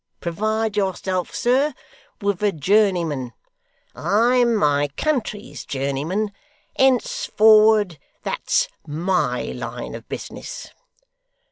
Provide yourself, sir, with a journeyman; I'm my country's journeyman; henceforward that's MY line of business.